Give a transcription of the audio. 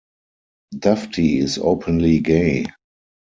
Dufty is openly gay.